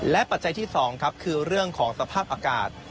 ปัจจัยที่๒ครับคือเรื่องของสภาพอากาศ